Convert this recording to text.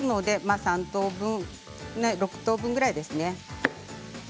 ３等分６等分ぐらいですね。